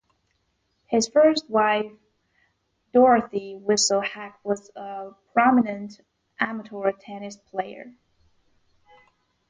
His first wife Dorothy Weisel Hack was a prominent amateur tennis player.